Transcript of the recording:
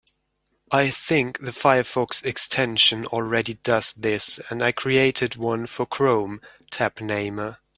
I think the Firefox extension already does this, and I created one for Chrome, Tab Namer.